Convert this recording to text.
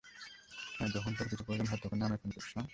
হ্যাঁ, যখন তোর কিছু প্রয়োজন হয়, তখনই আমায় ফোন করিস, না?